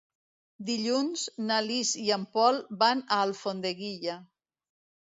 Dilluns na Lis i en Pol van a Alfondeguilla.